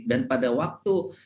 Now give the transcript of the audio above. dan pada waktu